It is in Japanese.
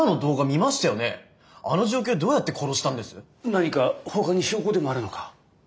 何かほかに証拠でもあるのか？